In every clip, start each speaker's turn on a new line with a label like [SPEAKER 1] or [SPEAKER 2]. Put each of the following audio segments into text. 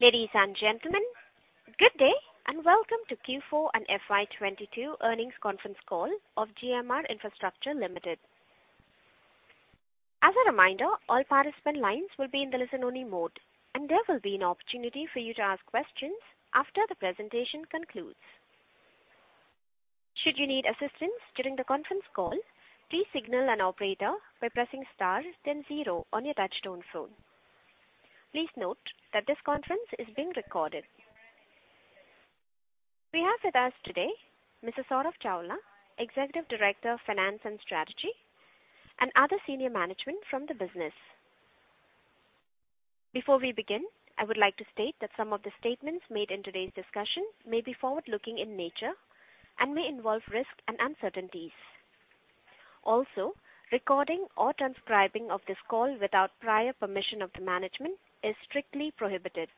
[SPEAKER 1] Ladies and gentlemen, good day, and welcome to Q4 and FY22 earnings conference call of GMR Infrastructure Limited. As a reminder, all participant lines will be in the listen-only mode, and there will be an opportunity for you to ask questions after the presentation concludes. Should you need assistance during the conference call, please signal an operator by pressing star then zero on your touchtone phone. Please note that this conference is being recorded. We have with us today Mr. Saurabh Chawla, Executive Director of Finance and Strategy, and other senior management from the business. Before we begin, I would like to state that some of the statements made in today's discussion may be forward-looking in nature and may involve risks and uncertainties. Also, recording or transcribing of this call without prior permission of the management is strictly prohibited.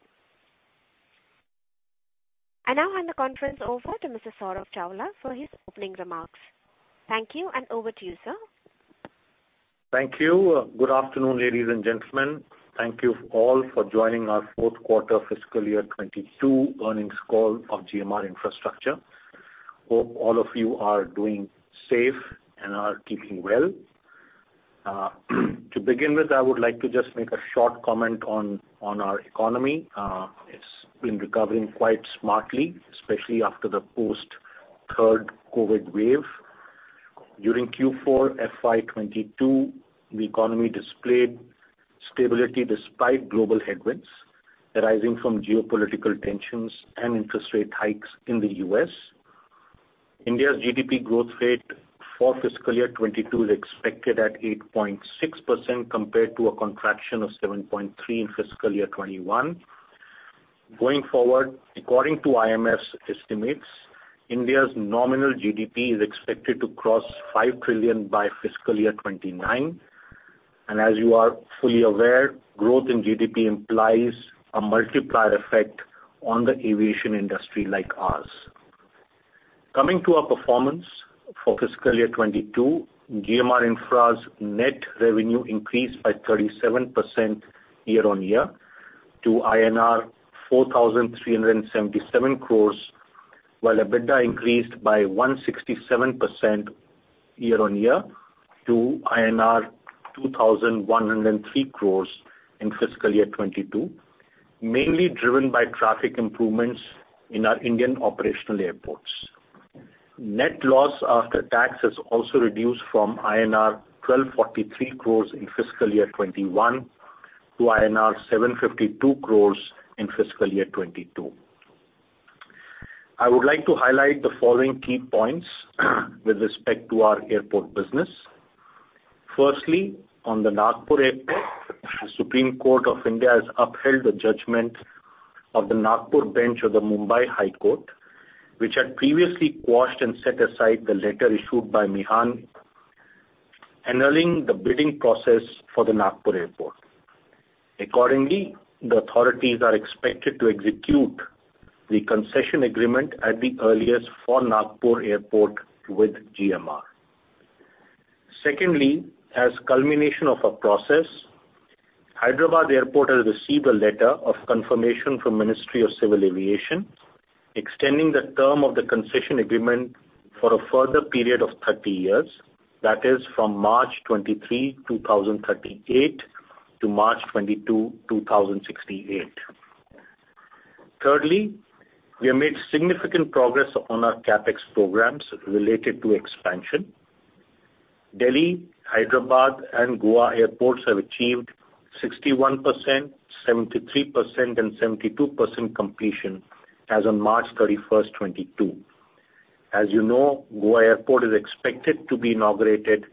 [SPEAKER 1] I now hand the conference over to Mr. Saurabh Chawla for his opening remarks. Thank you, and over to you, sir.
[SPEAKER 2] Thank you. Good afternoon, ladies and gentlemen. Thank you all for joining our fourth quarter fiscal year 2022 earnings call of GMR Infrastructure. Hope all of you are doing safe and are keeping well. To begin with, I would like to just make a short comment on our economy. It's been recovering quite smartly, especially after the post third COVID wave. During Q4 FY22, the economy displayed stability despite global headwinds arising from geopolitical tensions and interest rate hikes in the U.S. India's GDP growth rate for fiscal year 2022 is expected at 8.6% compared to a contraction of 7.3% in fiscal year 2021. Going forward, according to IMF's estimates, India's nominal GDP is expected to cross $5 trillion by fiscal year 2029. As you are fully aware, growth in GDP implies a multiplier effect on the aviation industry like ours. Coming to our performance for fiscal year 2022, GMR Infra's net revenue increased by 37% year-on-year to INR 4,377 crores, while EBITDA increased by 167% year-on-year to INR 2,103 crores in fiscal year 2022, mainly driven by traffic improvements in our Indian operational airports. Net loss after tax has also reduced from INR 1,243 crores in fiscal year 2021 to INR 752 crores in fiscal year 2022. I would like to highlight the following key points with respect to our airport business. Firstly, on the Nagpur Airport, the Supreme Court of India has upheld the judgment of the Nagpur bench of the Bombay High Court, which had previously quashed and set aside the letter issued by MIHAN annulling the bidding process for the Nagpur Airport. Accordingly, the authorities are expected to execute the concession agreement at the earliest for Nagpur Airport with GMR. Secondly, as culmination of a process, Hyderabad Airport has received a letter of confirmation from Ministry of Civil Aviation extending the term of the concession agreement for a further period of 30 years. That is from March 23, 2038 to March 22, 2068. Thirdly, we have made significant progress on our CapEx programs related to expansion. Delhi, Hyderabad and Goa airports have achieved 61%, 73% and 72% completion as on March 31, 2022. As you know, Goa Airport is expected to be inaugurated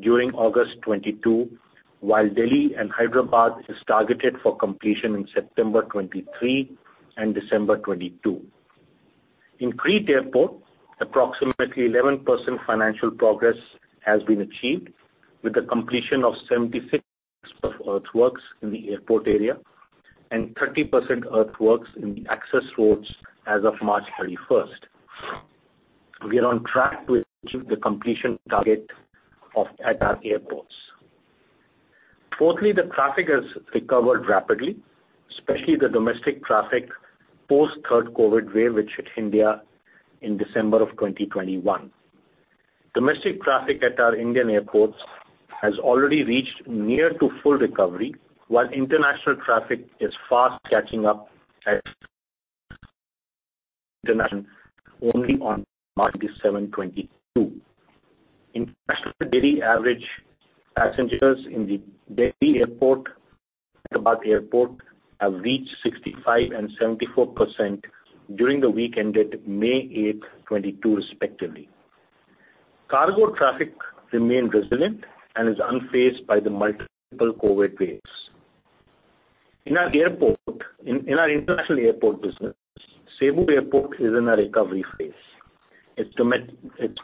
[SPEAKER 2] during August 2022, while Delhi and Hyderabad is targeted for completion in September 2023 and December 2022. In Crete Airport, approximately 11% financial progress has been achieved with the completion of 76% of earthworks in the airport area and 30% earthworks in the access roads as of March 31. We are on track to achieve the completion target at our airports. Fourthly, the traffic has recovered rapidly, especially the domestic traffic post third COVID wave, which hit India in December of 2021. Domestic traffic at our Indian airports has already reached near to full recovery, while international traffic is fast catching up as only on March 7, 2022. In fact, the daily average passengers in the Delhi Airport, Hyderabad Airport have reached 65% and 74% during the week ended May 8, 2022 respectively. Cargo traffic remained resilient and is unfazed by the multiple COVID waves. In our international airport business, Cebu Airport is in a recovery phase. Its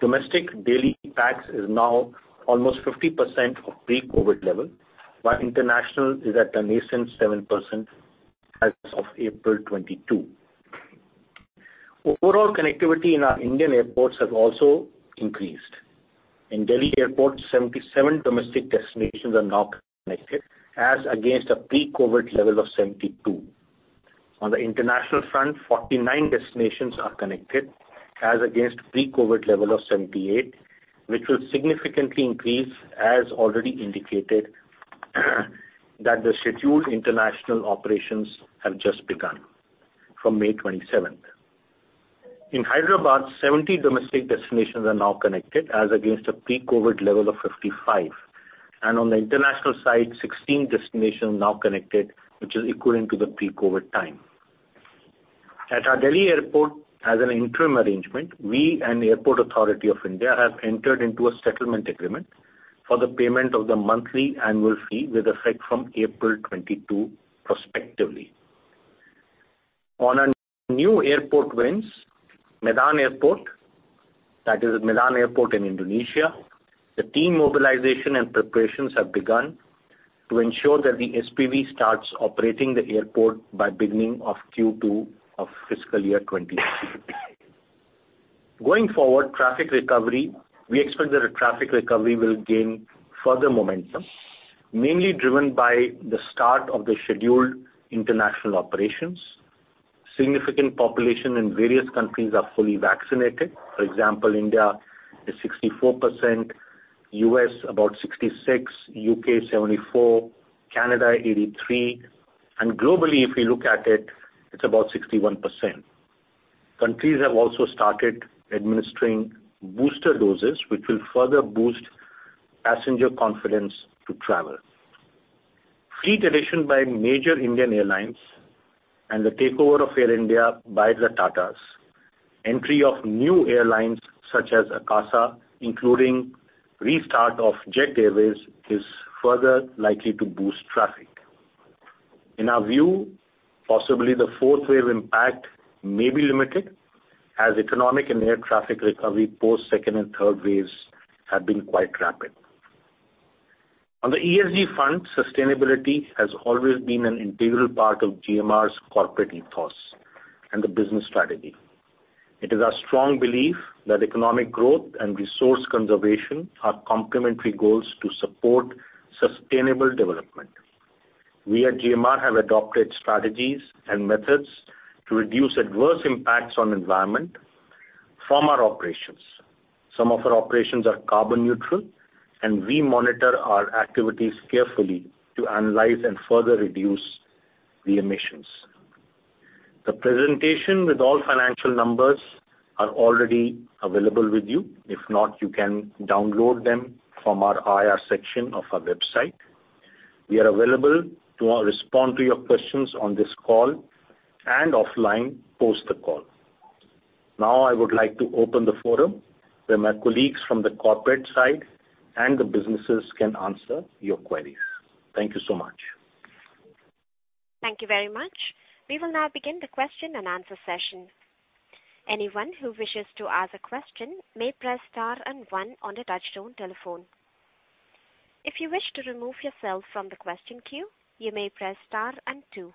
[SPEAKER 2] domestic daily pax is now almost 50% of pre-COVID level, while international is at a nascent 7% as of April 2022. Overall connectivity in our Indian airports have also increased. In Delhi Airport, 77 domestic destinations are now connected as against a pre-COVID level of 72 domestic destinations. On the international front, 49 destinations are connected as against pre-COVID level of 78 domestic destinations, which will significantly increase, as already indicated, that the scheduled international operations have just begun from May 27. In Hyderabad, 70 domestic destinations are now connected as against a pre-COVID level of 55, and on the international side, 16 destinations now connected, which is equivalent to the pre-COVID time. At our Delhi Airport as an interim arrangement, we and the Airports Authority of India have entered into a settlement agreement for the payment of the monthly annual fee with effect from April 2022 prospectively. On our new airport wins, Medan Airport, that is Medan Airport in Indonesia, the team mobilization and preparations have begun to ensure that the SPV starts operating the airport by beginning of Q2 of fiscal year 2023. Going forward, traffic recovery, we expect that the traffic recovery will gain further momentum, mainly driven by the start of the scheduled international operations. Significant population in various countries are fully vaccinated. For example, India is 64%, U.S. about 66%, U.K. 74%, Canada 83%, and globally, if we look at it's about 61%. Countries have also started administering booster doses, which will further boost passenger confidence to travel. Fleet addition by major Indian airlines and the takeover of Air India by the Tatas, entry of new airlines such as Akasa, including restart of Jet Airways, is further likely to boost traffic. In our view, possibly the fourth wave impact may be limited as economic and air traffic recovery post second and third waves have been quite rapid. On the ESG front, sustainability has always been an integral part of GMR's corporate ethos and the business strategy. It is our strong belief that economic growth and resource conservation are complementary goals to support sustainable development. We at GMR have adopted strategies and methods to reduce adverse impacts on environment from our operations. Some of our operations are carbon neutral, and we monitor our activities carefully to analyze and further reduce the emissions. The presentation with all financial numbers are already available with you. If not, you can download them from our IR section of our website. We are available to respond to your questions on this call and offline post the call. Now I would like to open the forum where my colleagues from the corporate side and the businesses can answer your queries. Thank you so much.
[SPEAKER 1] Thank you very much. We will now begin the question-and-answer session. Anyone who wishes to ask a question may press star and one on the touchtone telephone. If you wish to remove yourself from the question queue, you may press star and two.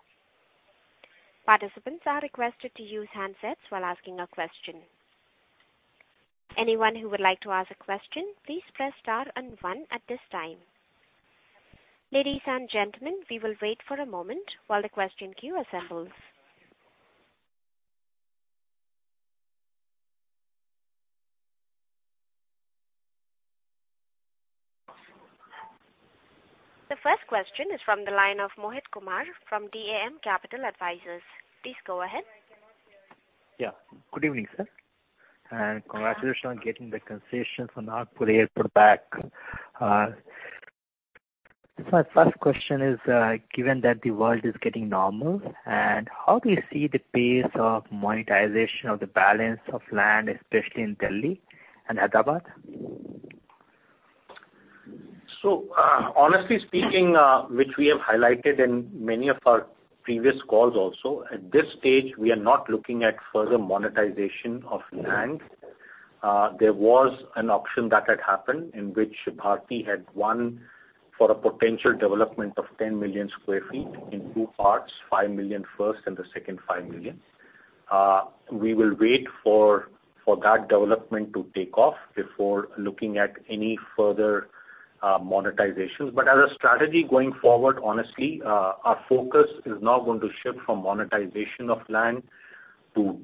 [SPEAKER 1] Participants are requested to use handsets while asking a question. Anyone who would like to ask a question, please press star and one at this time. Ladies and gentlemen, we will wait for a moment while the question queue assembles. The first question is from the line of Mohit Kumar from DAM Capital Advisors. Please go ahead.
[SPEAKER 3] Yeah. Good evening, sir, and congratulations on getting the concession from Nagpur Airport back. My first question is, given that the world is getting normal and how do you see the pace of monetization of the balance of land, especially in Delhi and Hyderabad?
[SPEAKER 2] Honestly speaking, which we have highlighted in many of our previous calls also, at this stage, we are not looking at further monetization of land. There was an option that had happened in which Bharti had won for a potential development of 10 million sq ft in two parts, 5 million sq ft first and the second 5 million sq ft. We will wait for that development to take off before looking at any further monetization. As a strategy going forward, honestly, our focus is now going to shift from monetization of land to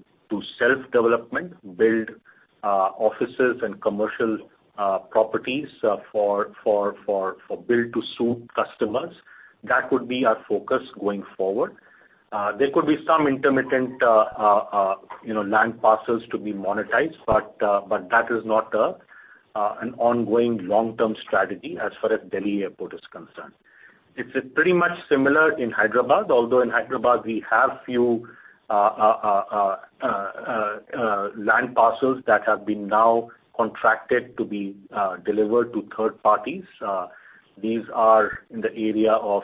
[SPEAKER 2] self-development, build offices and commercial properties for build-to-suit customers. That would be our focus going forward. There could be some intermittent, you know, land parcels to be monetized, but that is not an ongoing long-term strategy as far as Delhi Airport is concerned. It's pretty much similar in Hyderabad. Although in Hyderabad we have few land parcels that have been now contracted to be delivered to third parties. These are in the area of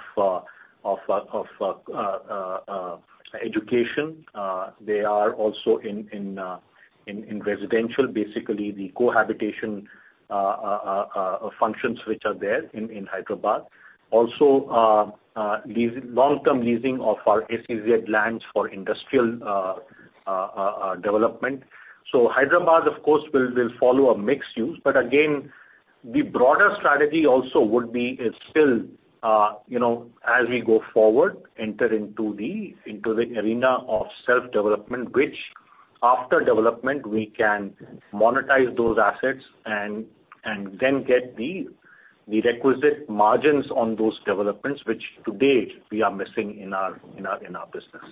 [SPEAKER 2] education. They are also in residential, basically the cohabitation functions which are there in Hyderabad. Also, long-term leasing of our SEZ lands for industrial development. Hyderabad of course will follow a mixed use, but again. The broader strategy also would be still, you know, as we go forward, enter into the arena of self-development which after development we can monetize those assets and then get the requisite margins on those developments which to date we are missing in our business.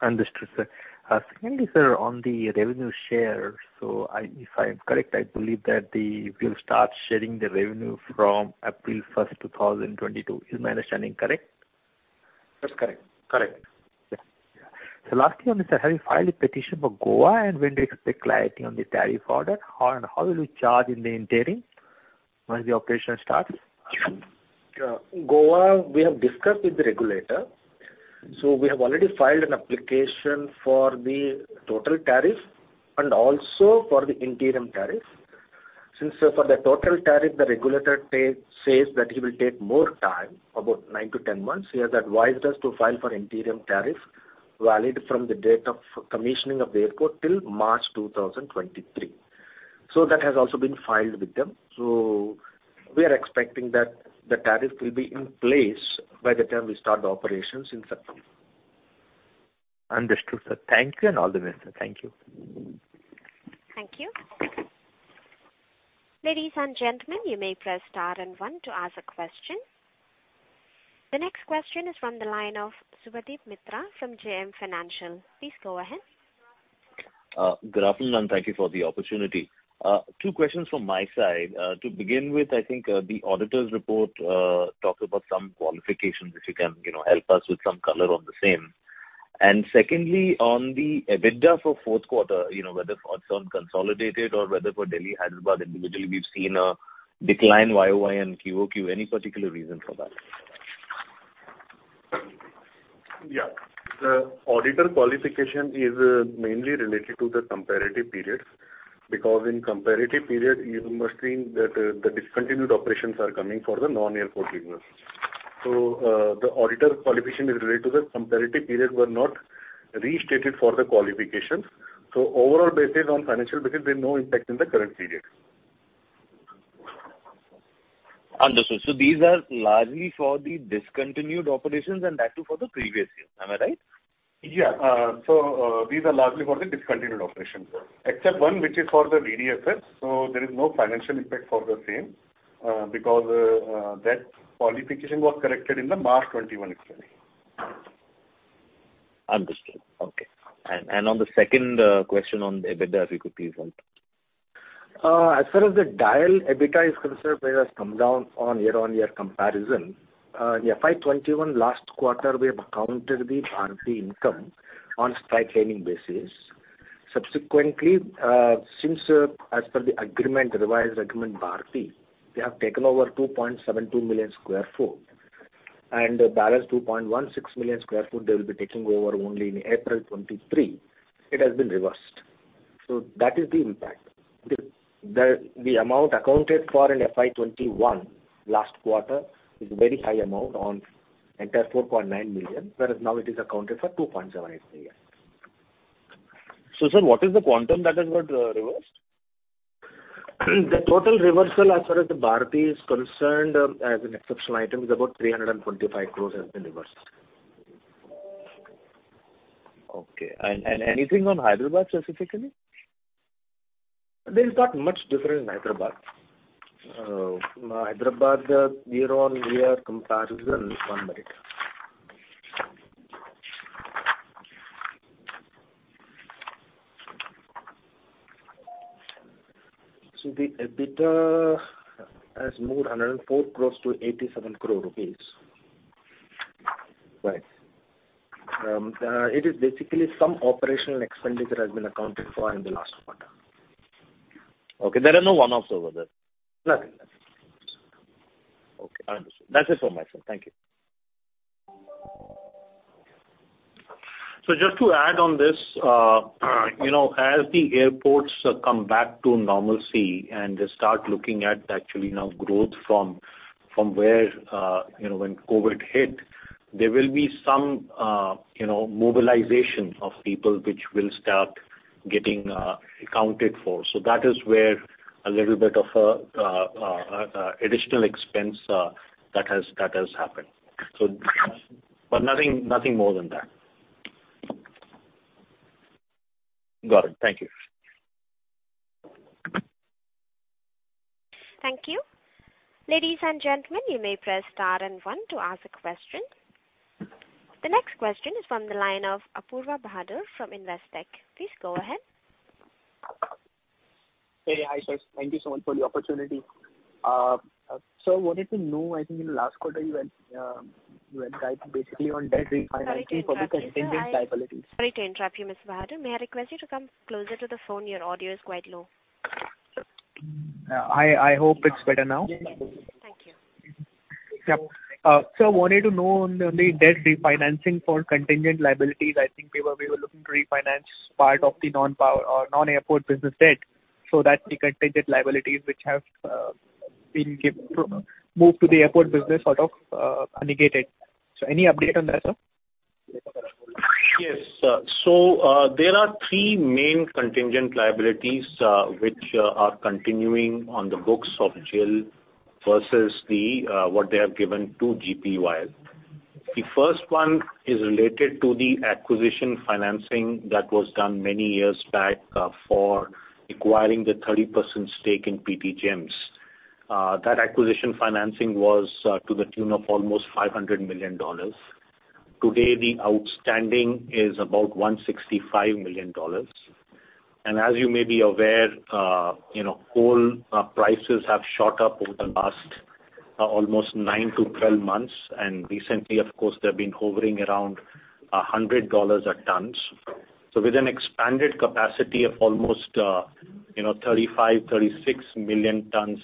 [SPEAKER 3] Understood, sir. Secondly, sir, on the revenue share, if I am correct, I believe that you'll start sharing the revenue from April 1, 2022. Is my understanding correct?
[SPEAKER 4] That's correct. Correct.
[SPEAKER 3] Lastly on this, have you filed a petition for Goa and when do you expect clarity on the tariff order? How and how will you charge in the interim once the operation starts?
[SPEAKER 4] Yeah. Goa we have discussed with the regulator. We have already filed an application for the total tariff and also for the interim tariff. Since for the total tariff the regulator says that he will take more time, about 9-10 months, he has advised us to file for interim tariff valid from the date of commissioning of the airport till March 2023. That has also been filed with them. We are expecting that the tariff will be in place by the time we start the operations in September.
[SPEAKER 3] Understood, sir. Thank you and all the best, sir. Thank you.
[SPEAKER 1] Thank you. Ladies and gentlemen, you may press star and one to ask a question. The next question is from the line of Subhadip Mitra from JM Financial. Please go ahead.
[SPEAKER 5] Good afternoon, and thank you for the opportunity. Two questions from my side. To begin with, I think, the auditor's report talks about some qualifications, if you can, you know, help us with some color on the same? Secondly, on the EBITDA for fourth quarter, you know, whether for some consolidated or whether for Delhi, Hyderabad individually, we've seen a decline YOY and QOQ. Any particular reason for that?
[SPEAKER 6] Yeah. The auditor qualification is mainly related to the comparative periods, because in comparative period you must seen that, the discontinued operations are coming for the non-airport business. The auditor qualification is related to the comparative period were not restated for the qualifications. Overall basis on financial basis there's no impact in the current period.
[SPEAKER 5] Understood. These are largely for the discontinued operations and that too for the previous year. Am I right?
[SPEAKER 6] These are largely for the discontinued operations. Except one which is for the VDF, there is no financial impact for the same, because that qualification was corrected in the March 2021 explanation.
[SPEAKER 5] Understood. Okay. On the second question on the EBITDA, if you could please answer.
[SPEAKER 4] As far as the DIAL EBITDA is concerned, where it has come down on year-on-year comparison, in FY 2021 last quarter we have accounted the Bharti income on straight-lining basis. Subsequently, since, as per the agreement, revised agreement Bharti, they have taken over 2.72 million sq ft and the balance 2.16 million sq ft they will be taking over only in April 2023. It has been reversed. That is the impact. The amount accounted for in FY 2021 last quarter is very high amount on entire 4.9 million sq ft, whereas now it is accounted for 2.78 million sq ft.
[SPEAKER 5] Sir, what is the quantum that has got reversed?
[SPEAKER 4] The total reversal as far as the Bharti is concerned, as an exceptional item is about 325 crores has been reversed.
[SPEAKER 5] Okay. Anything on Hyderabad specifically?
[SPEAKER 4] There's not much difference in Hyderabad. Hyderabad year-on-year comparison. One minute. The EBITDA has moved 104 crore to 87 crore rupees.
[SPEAKER 5] Right.
[SPEAKER 4] It is basically some operational expenditure has been accounted for in the last quarter.
[SPEAKER 5] Okay. There are no one-offs over there?
[SPEAKER 4] Nothing. Nothing.
[SPEAKER 5] Okay, understood. That's it from my side. Thank you.
[SPEAKER 2] Just to add on this, you know, as the airports come back to normalcy and they start looking at actually now growth from where, you know, when COVID hit, there will be some, you know, mobilization of people which will start getting accounted for. That is where a little bit of additional expense that has happened. Nothing more than that.
[SPEAKER 5] Got it. Thank you.
[SPEAKER 1] Thank you. Ladies and gentlemen, you may press star and one to ask a question. The next question is from the line of Apoorva Bahadur from Investec. Please go ahead.
[SPEAKER 7] Hey. Hi, sir. Thank you so much for the opportunity. Sir, wanted to know, I think in the last quarter you went right basically on debt refinancing for the contingent liabilities.
[SPEAKER 1] Sorry to interrupt you, Mr. Bahadur. May I request you to come closer to the phone? Your audio is quite low.
[SPEAKER 7] I hope it's better now.
[SPEAKER 1] Yes. Thank you.
[SPEAKER 7] Yeah. Sir, wanted to know on the debt refinancing for contingent liabilities. I think we were looking to refinance part of the non-power or non-airport business debt so that the contingent liabilities which have been moved to the airport business are negated. Any update on that, sir?
[SPEAKER 2] Yes. There are three main contingent liabilities which are continuing on the books of GIL versus what they have given to GPUIL. The first one is related to the acquisition financing that was done many years back for acquiring the 30% stake in PT GEMS. That acquisition financing was to the tune of almost $500 million. Today, the outstanding is about $165 million. As you may be aware, you know, coal prices have shot up over the last almost 9-12 months. Recently, of course, they've been hovering around $100 a ton. With an expanded capacity of almost, you know, 35 million tons-36 million tons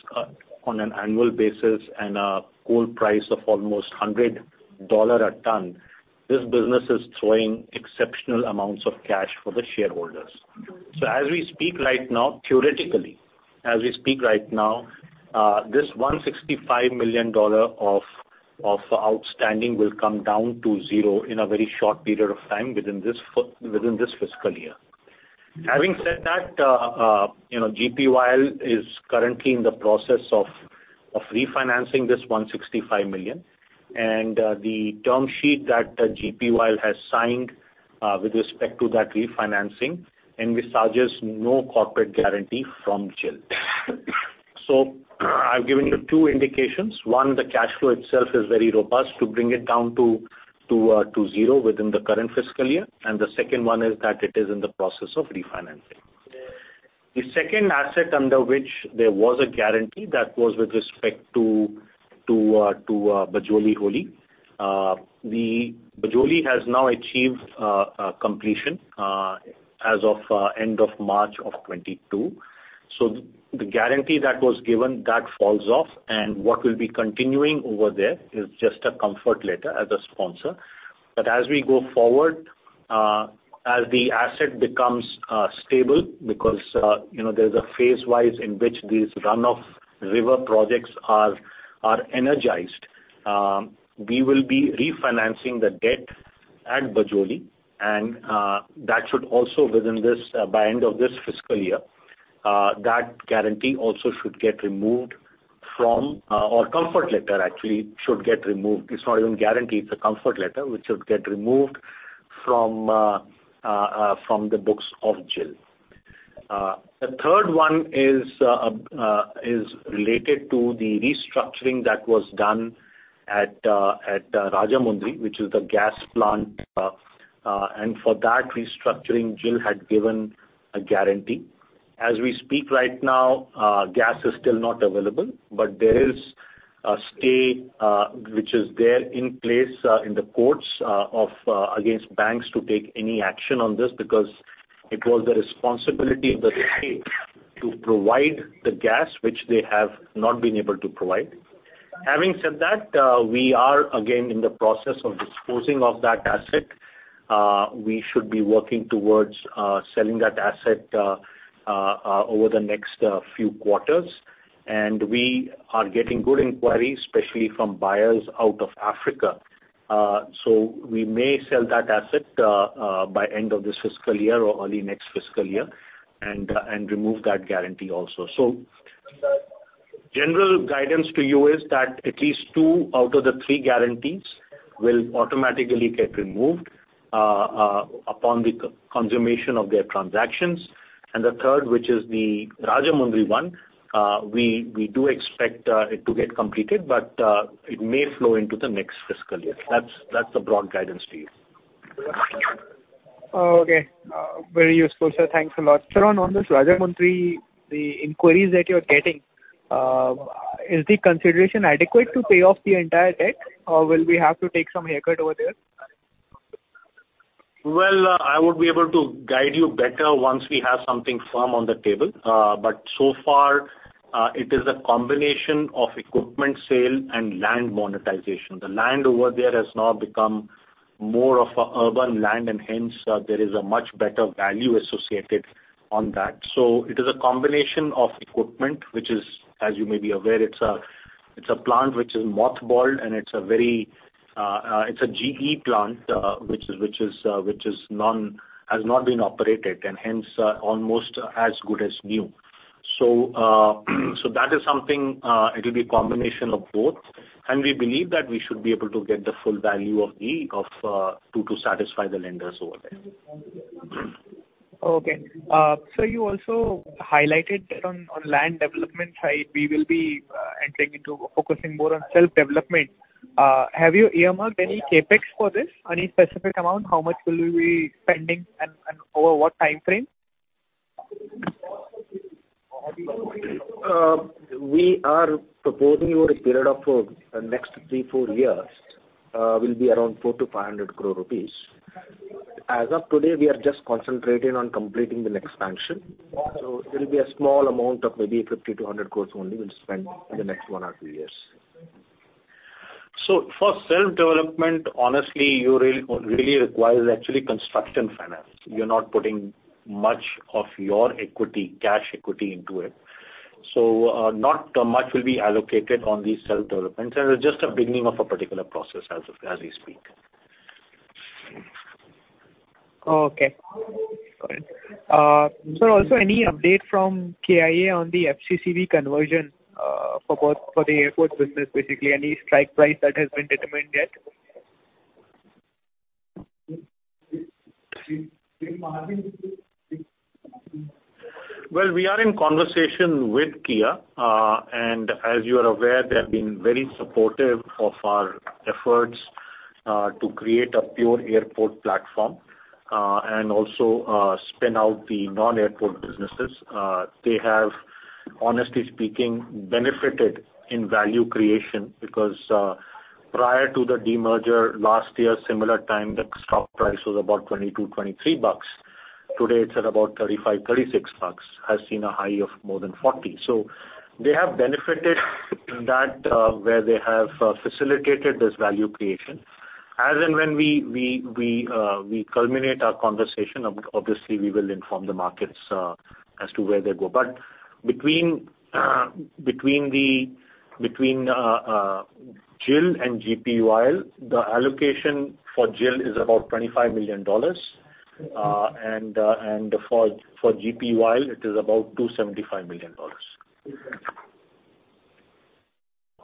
[SPEAKER 2] on an annual basis and a coal price of almost $100 a ton, this business is throwing exceptional amounts of cash for the shareholders. As we speak right now, theoretically, this $165 million of outstanding will come down to zero in a very short period of time within this fiscal year. Having said that, you know, GPUIL is currently in the process of refinancing this $165 million. The term sheet that GPUIL has signed with respect to that refinancing envisages no corporate guarantee from GIL. I've given you two indications. One, the cash flow itself is very robust to bring it down to zero within the current fiscal year. The second one is that it is in the process of refinancing. The second asset under which there was a guarantee that was with respect to Bajoli Holi. The Bajoli has now achieved completion as of end of March of 2022. The guarantee that was given, that falls off, and what will be continuing over there is just a comfort letter as a sponsor. As we go forward, as the asset becomes stable, because you know, there's a phase wise in which these run-off river projects are energized, we will be refinancing the debt at Bajoli, and that should also within this by end of this fiscal year, that guarantee also should get removed from or comfort letter actually should get removed. It's not even guarantee, it's a comfort letter which should get removed from the books of GIL. The third one is related to the restructuring that was done at Rajahmundry, which is the gas plant, and for that restructuring, GIL had given a guarantee. As we speak right now, gas is still not available, but there is a stay, which is there in place, in the courts against banks to take any action on this because it was the responsibility of the state to provide the gas, which they have not been able to provide. Having said that, we are again in the process of disposing of that asset. We should be working towards selling that asset over the next few quarters. We are getting good inquiries, especially from buyers out of Africa. We may sell that asset by end of this fiscal year or early next fiscal year and remove that guarantee also. The general guidance to you is that at least two out of the three guarantees will automatically get removed upon the consummation of their transactions. The third, which is the Rajahmundry one, we do expect it to get completed, but it may flow into the next fiscal year. That's the broad guidance to you.
[SPEAKER 7] Okay. Very useful, sir. Thanks a lot. Sir, on this Rajahmundry, the inquiries that you're getting, is the consideration adequate to pay off the entire debt, or will we have to take some haircut over there?
[SPEAKER 2] Well, I would be able to guide you better once we have something firm on the table. So far, it is a combination of equipment sale and land monetization. The land over there has now become more of an urban land, and hence, there is a much better value associated on that. It is a combination of equipment, which is, as you may be aware, it's a plant which is mothballed, and it's a very, it's a GE plant, which is, which has not been operated and hence, almost as good as new. That is something, it'll be a combination of both. We believe that we should be able to get the full value of the, of, to satisfy the lenders over there.
[SPEAKER 7] Okay. Sir, you also highlighted that on land development side, we will be entering into focusing more on self-development. Have you earmarked any CapEx for this? Any specific amount, how much will we be spending and over what time frame?
[SPEAKER 4] We are proposing over a period of next 3-4 years will be around 400 crore-500 crore rupees. As of today, we are just concentrating on completing the expansion. It'll be a small amount of maybe 50 crore-100 crore only we'll spend in the next 1-2 years.
[SPEAKER 2] For self-development, honestly, you really require actually construction finance. You're not putting much of your equity, cash equity into it. Not much will be allocated on these self-developments, and it's just a beginning of a particular process as we speak.
[SPEAKER 7] Okay. Got it. Also any update from KIA on the FCCB conversion for the airport business, basically, any strike price that has been determined yet? We are in conversation with KIA.
[SPEAKER 2] As you are aware, they have been very supportive of our efforts to create a pure airport platform and also spin out the non-airport businesses. They have, honestly speaking, benefited in value creation because prior to the demerger last year, similar time, the stock price was about INR 22-INR 23. Today, it's at about INR 35-INR 36. Has seen a high of more than 40. They have benefited in that where they have facilitated this value creation. As and when we culminate our conversation, obviously we will inform the markets as to where they go. Between GIL and GPUIL, the allocation for GIL is about $25 million. And for GPUIL, it is about $275 million.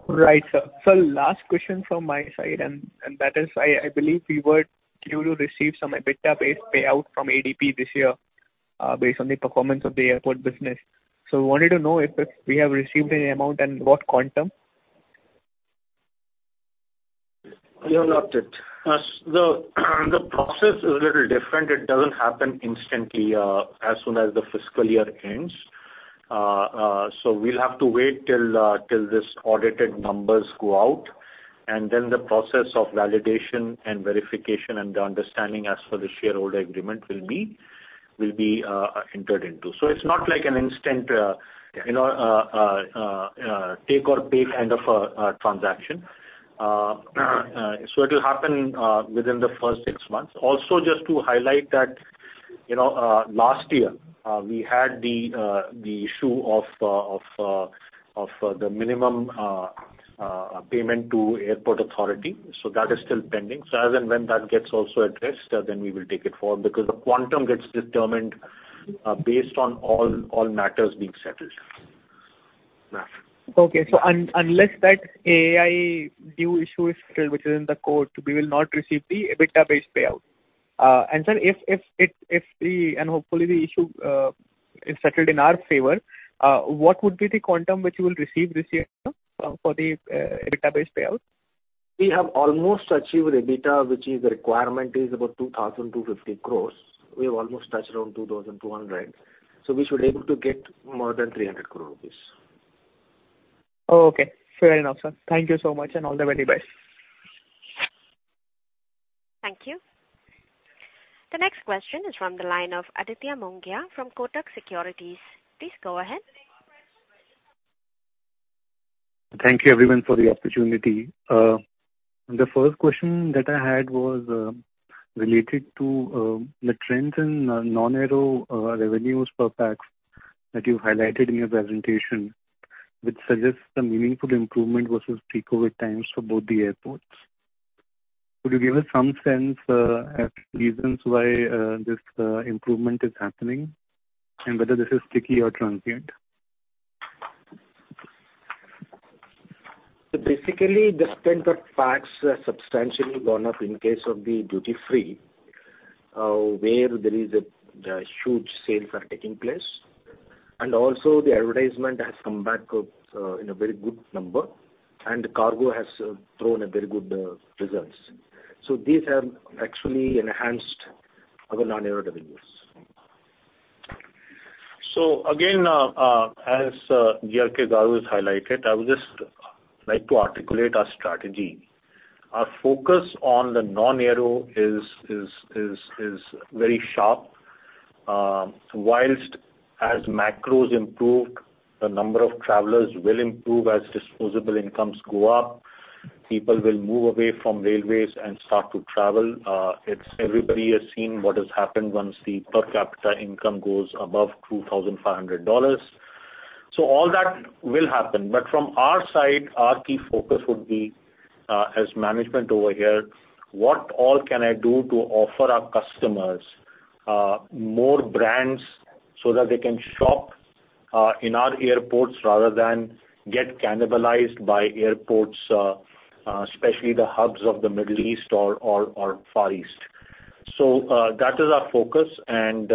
[SPEAKER 7] Right, sir. Sir, last question from my side, and that is, I believe we were due to receive some EBITDA base payout from ADP this year, based on the performance of the airport business. We wanted to know if we have received any amount and what quantum?
[SPEAKER 2] We have not yet. As the process is a little different. It doesn't happen instantly, as soon as the fiscal year ends. We'll have to wait till this audited numbers go out, and then the process of validation and verification and the understanding as per the shareholder agreement will be entered into. It's not like an instant, you know, take or pay kind of a transaction. It'll happen within the first 6 months. Also, just to highlight that, you know, last year, we had the issue of the minimum payment to Airports Authority, so that is still pending. As and when that gets also addressed, then we will take it forward because the quantum gets determined based on all matters being settled.
[SPEAKER 7] Yeah. Okay. Unless that AAI dues issue is settled, which is in court, we will not receive the EBITDA-based payout. And sir, if the issue is settled in our favor, hopefully, what would be the quantum which we will receive this year, sir, for the EBITDA-based payout?
[SPEAKER 4] We have almost achieved EBITDA, which is the requirement is about 2,250 crores. We have almost touched around 2,200, so we should able to get more than 300 crore rupees.
[SPEAKER 7] Oh, okay. Fair enough, sir. Thank you so much, and all the very best.
[SPEAKER 1] Thank you. The next question is from the line of Aditya Mongia from Kotak Securities. Please go ahead.
[SPEAKER 8] Thank you everyone for the opportunity. The first question that I had was related to the trends in non-aero revenues per pax that you highlighted in your presentation, which suggests a meaningful improvement versus pre-COVID times for both the airports. Could you give us some sense as reasons why this improvement is happening and whether this is sticky or transient?
[SPEAKER 2] Basically the spend per pax has substantially gone up in case of the duty-free, where there is a huge sales are taking place, and also the advertisement has come back up in very good numbers, and cargo has shown very good results. These have actually enhanced our non-aero revenues. Again, as G.R.K. Babu has highlighted, I would just like to articulate our strategy. Our focus on the non-aero is very sharp. While as macros improve, the number of travelers will improve as disposable incomes go up. People will move away from railways and start to travel. It's everybody has seen what has happened once the per capita income goes above $2,500. All that will happen. From our side, our key focus would be as management over here, what all can I do to offer our customers more brands so that they can shop in our airports rather than get cannibalized by airports, especially the hubs of the Middle East or Far East. That is our focus, and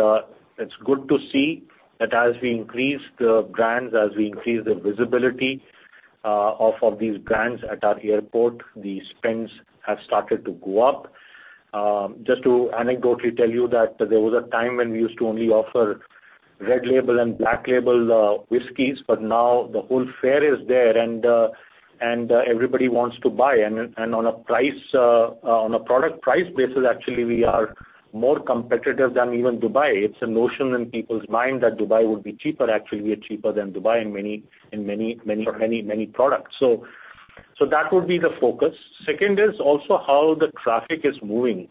[SPEAKER 2] it's good to see that as we increase the brands, as we increase the visibility of these brands at our airport, the spends have started to go up. Just to anecdotally tell you that there was a time when we used to only offer Red Label and Black Label whiskeys, but now the whole fare is there and everybody wants to buy. On a price, on a product price basis, actually we are more competitive than even Dubai. It's a notion in people's mind that Dubai would be cheaper. Actually we are cheaper than Dubai in many products. That would be the focus. Second is also how the traffic is moving.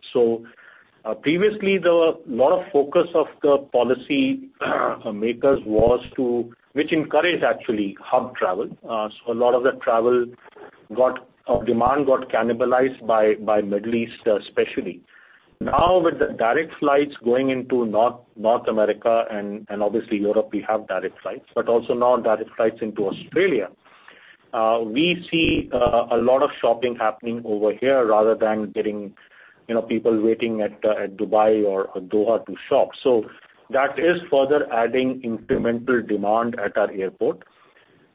[SPEAKER 2] Previously there were lot of focus of the policymakers was to which encouraged actually hub travel. A lot of the demand got cannibalized by Middle East specially. Now, with the direct flights going into North America and obviously Europe, we have direct flights. Also now direct flights into Australia. We see a lot of shopping happening over here rather than getting people waiting at Dubai or Doha to shop. That is further adding incremental demand at our airport.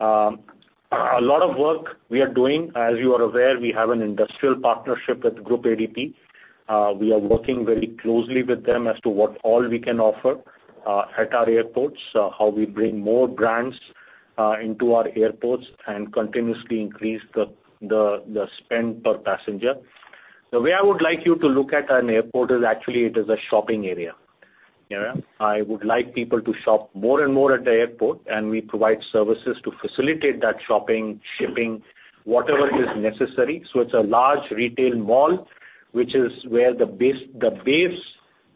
[SPEAKER 2] A lot of work we are doing, as you are aware, we have an industrial partnership with Groupe ADP. We are working very closely with them as to what all we can offer at our airports, how we bring more brands into our airports and continuously increase the spend per passenger. The way I would like you to look at an airport is actually it is a shopping area. You know? I would like people to shop more and more at the airport, and we provide services to facilitate that shopping, shipping, whatever is necessary. It's a large retail mall, which is where the base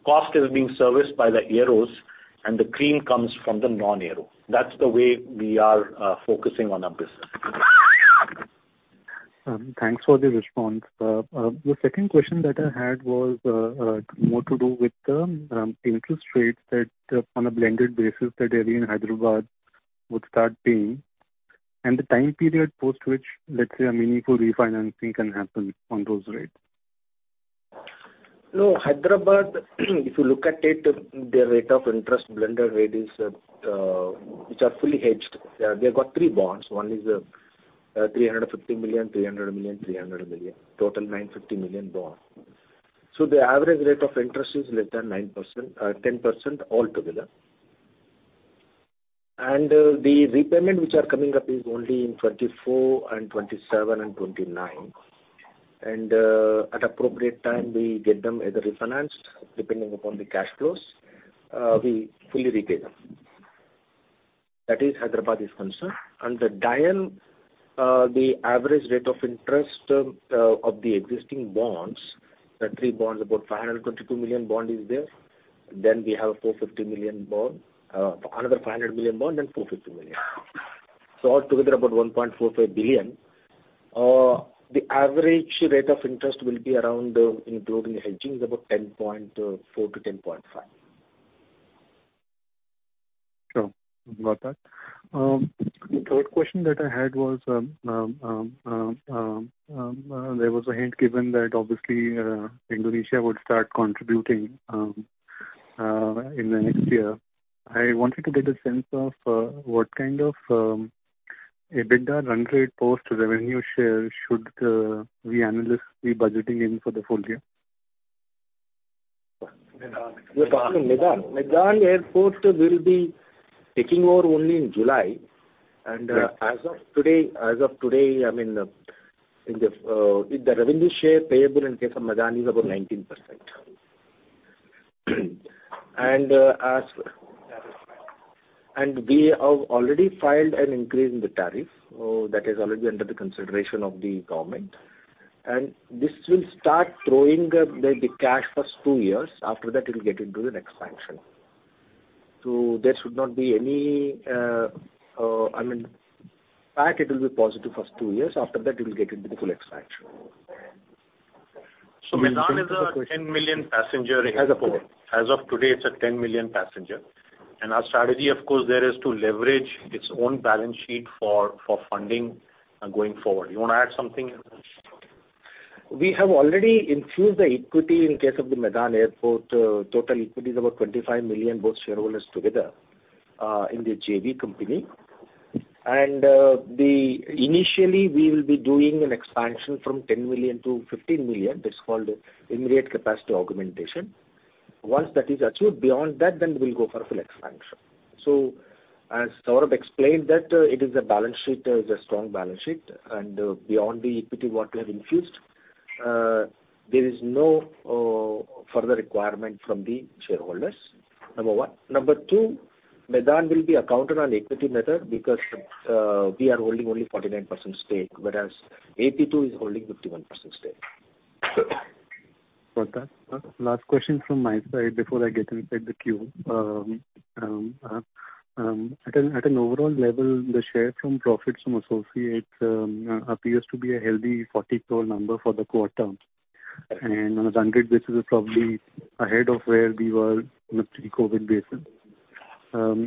[SPEAKER 2] cost is being serviced by the aeros and the cream comes from the non-aero. That's the way we are focusing on our business.
[SPEAKER 8] Thanks for the response. The second question that I had was more to do with the interest rates that on a blended basis that Delhi and Hyderabad would start paying and the time period post which, let's say, a meaningful refinancing can happen on those rates?
[SPEAKER 4] No, Hyderabad, if you look at it, their rate of interest, blended rate is, which are fully hedged. They have got three bonds. One is 350 million, 300 million, 300 million. Total 950 million bond. The average rate of interest is less than 9%, 10% altogether. The repayment which are coming up is only in 2024 and 2027 and 2029. At appropriate time we get them either refinanced depending upon the cash flows, we fully repay them. That is as Hyderabad is concerned. The DIAL, the average rate of interest, of the existing bonds, the three bonds, about 522 million bond is there. Then we have 450 million bond, another 500 million bond, then 450 million.
[SPEAKER 2] Altogether about 1.45 billion. The average rate of interest will be around, including the hedging, is about 10.4%-10.5%.
[SPEAKER 8] Sure. Got that. The third question that I had was, there was a hint given that obviously, Indonesia would start contributing, in the next year. I wanted to get a sense of, what kind of, EBITDA run rate post-revenue share should, we analysts be budgeting in for the full year?
[SPEAKER 4] You're talking Medan. Medan Airport will be taking over only in July. As of today, I mean, the revenue share payable in case of Medan is about 19%. We have already filed an increase in the tariff, that is already under consideration of the government. This will start throwing the cash first two years. After that it will get into an expansion. There should not be any, I mean. In fact it will be positive first two years. After that it will get into the full expansion.
[SPEAKER 2] Medan is a 10 million passenger airport. As of today, it's a 10 million passenger. Our strategy of course there is to leverage its own balance sheet for funding going forward. You wanna add something?
[SPEAKER 4] We have already infused the equity in case of the Medan Airport. Total equity is about 25 million, both shareholders together, in the JV company. Initially, we will be doing an expansion from 10 million to 15 million. That's called immediate capacity augmentation. Once that is achieved, beyond that, we'll go for full expansion. As Saurabh explained that, it is a balance sheet, it's a strong balance sheet, and, beyond the equity what we have infused, there is no, further requirement from the shareholders, number one. Number two, Medan will be accounted on equity method because, we are holding only 49% stake, whereas AP2 is holding 51% stake.
[SPEAKER 8] Got that. Last question from my side before I get inside the queue. At an overall level, the share from profits from associates appears to be a healthy 40 crore number for the quarter. On a run rate basis, probably ahead of where we were in a pre-COVID basis.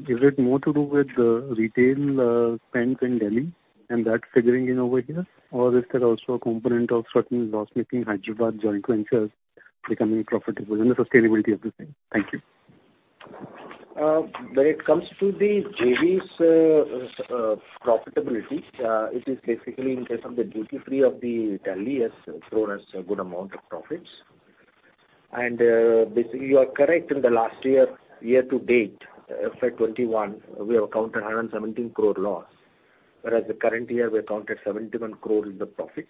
[SPEAKER 8] Is it more to do with the retail spends in Delhi and that figuring in over here? Or is there also a component of certain loss-making Hyderabad joint ventures becoming profitable and the sustainability of the same? Thank you.
[SPEAKER 4] When it comes to the JVs profitability, it is basically in case of the Delhi duty-free has thrown us a good amount of profits. You are correct, in the last year to date, FY21, we have incurred 117 crore loss. Whereas the current year we have incurred 71 crore profit.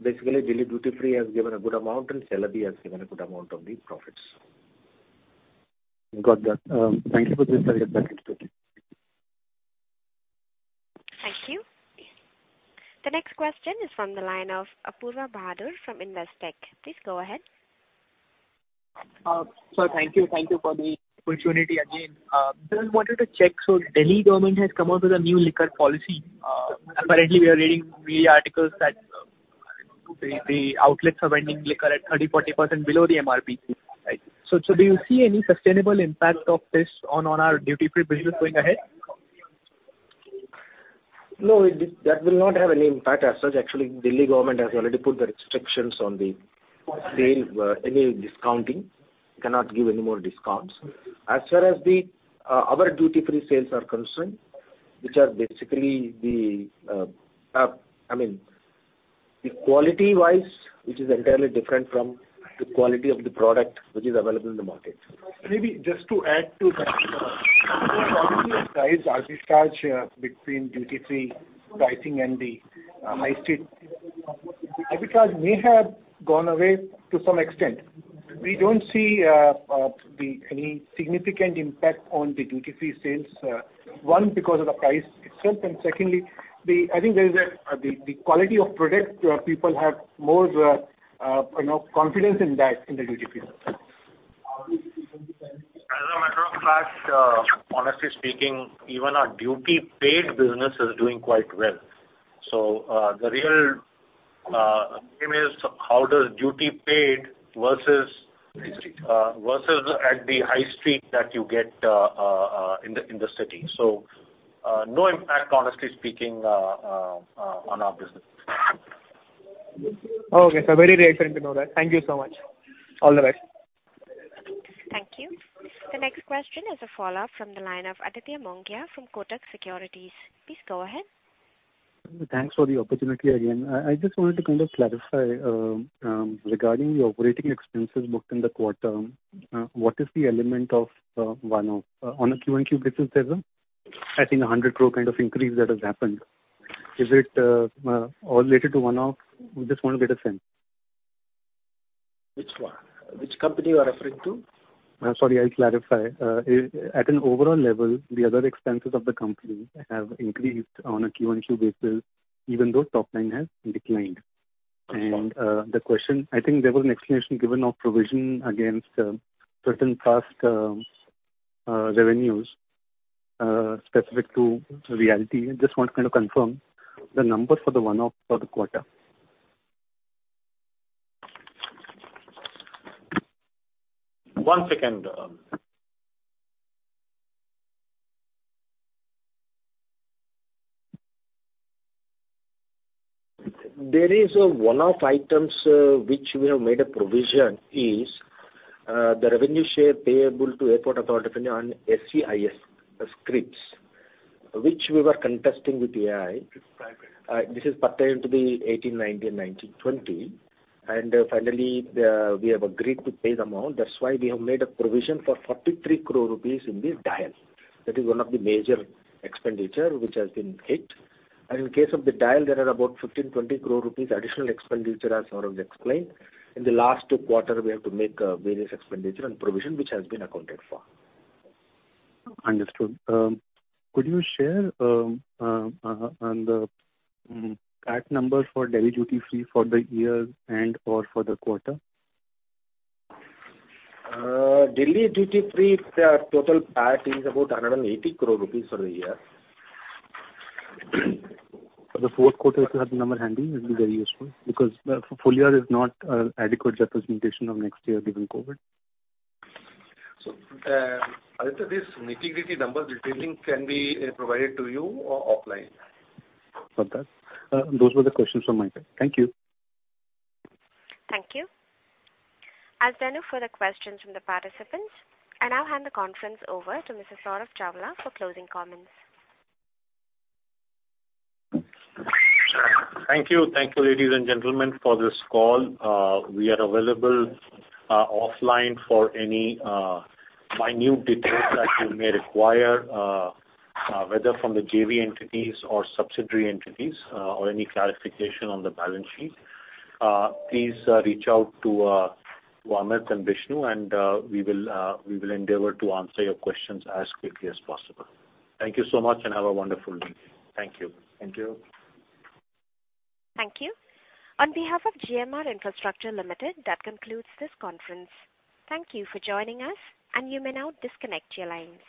[SPEAKER 4] Basically, Delhi duty-free has given a good amount and Celebi has given a good amount of the profits.
[SPEAKER 8] Got that. Thank you for this. I'll get back into it.
[SPEAKER 1] Thank you. The next question is from the line of Apoorva Bahadur from Investec. Please go ahead.
[SPEAKER 7] Thank you for the opportunity again. Just wanted to check. Delhi government has come out with a new liquor policy. Apparently we are reading media articles that the outlets are vending liquor at 30%-40% below the MRP. Right. Do you see any sustainable impact of this on our duty-free business going ahead?
[SPEAKER 4] No, that will not have any impact as such. Actually, Delhi government has already put the restrictions on the sales, any discounting. Cannot give any more discounts. As far as our duty-free sales are concerned, which are basically the, I mean, the quality wise, which is entirely different from the quality of the product which is available in the market.
[SPEAKER 6] Maybe just to add to that, price arbitrage between duty-free pricing and the high street. Arbitrage may have gone away to some extent. We don't see any significant impact on the duty-free sales. One, because of the price itself, and secondly, I think there is the quality of product. People have more you know confidence in that in the duty-free.
[SPEAKER 2] As a matter of fact, honestly speaking, even our duty paid business is doing quite well. The real aim is how does duty paid versus at the high street that you get in the city. No impact, honestly speaking, on our business.
[SPEAKER 7] Okay. Very reassuring to know that. Thank you so much. All the best.
[SPEAKER 1] Thank you. The next question is a follow-up from the line of Aditya Mongia from Kotak Securities. Please go ahead.
[SPEAKER 8] Thanks for the opportunity again. I just wanted to kind of clarify regarding the operating expenses booked in the quarter. What is the element of one-off? On a QoQ basis there's, I think, 100 crore kind of increase that has happened. Is it all related to one-off? We just want to get a sense.
[SPEAKER 4] Which one? Which company you are referring to?
[SPEAKER 8] Sorry. I'll clarify. At an overall level, the other expenses of the company have increased on a QoQ basis, even though top line has declined. The question, I think there was an explanation given of provision against certain past revenues specific to realty. I just want to kind of confirm the numbers for the one-off for the quarter.
[SPEAKER 4] There is a one-off item, which we have made a provision is the revenue share payable to Airports Authority on SEIS scrips, which we were contesting with AAI. This is pertaining to the 2018, 2019, 2020. Finally, we have agreed to pay the amount. That's why we have made a provision for 43 crore rupees in the DIAL. That is one of the major expenditure which has been hit. In case of the DIAL there are about 15 crore-20 crore rupees additional expenditure, as Saurabh explained. In the last quarter, we have to make various expenditure and provision which has been accounted for.
[SPEAKER 8] Understood. Could you share on the PAT number for Delhi duty-free for the year and/or for the quarter?
[SPEAKER 4] Delhi Duty-Free, their total PAT is about 180 crore rupees for the year.
[SPEAKER 8] For the fourth quarter, if you have the number handy, it'd be very useful because the full year is not an adequate representation of next year given COVID.
[SPEAKER 9] Aditya, this nitty-gritty numbers detailing can be provided to you or offline.
[SPEAKER 8] Got that. Those were the questions from my side. Thank you.
[SPEAKER 1] Thank you. As there are no further questions from the participants, I now hand the conference over to Mr. Saurabh Chawla for closing comments.
[SPEAKER 2] Thank you. Thank you, ladies and gentlemen, for this call. We are available offline for any minute details that you may require, whether from the JV entities or subsidiary entities, or any clarification on the balance sheet. Please reach out to Amit and Vishnu, and we will endeavor to answer your questions as quickly as possible. Thank you so much, and have a wonderful day. Thank you.
[SPEAKER 6] Thank you.
[SPEAKER 1] Thank you. On behalf of GMR Infrastructure Limited, that concludes this conference. Thank you for joining us, and you may now disconnect your lines.